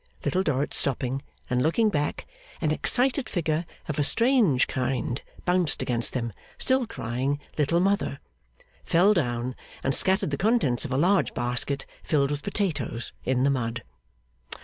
Little Dorrit stopping and looking back, an excited figure of a strange kind bounced against them (still crying 'little mother'), fell down, and scattered the contents of a large basket, filled with potatoes, in the mud.